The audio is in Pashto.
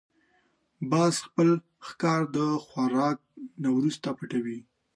باز خپل ښکار د خوراک نه وروسته پټوي